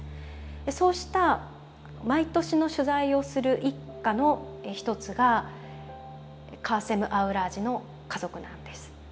そうした毎年の取材をする一家の一つがカーセム・アウラージの家族なんです。